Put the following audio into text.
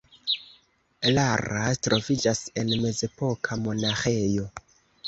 Lara troviĝas en mezepoka monaĥejo.